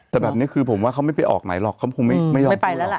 แต่แบบนี้คือผมว่าเขาไม่ไปออกไหนหรอกเขาคงไม่ยอมไม่ไปแล้วล่ะ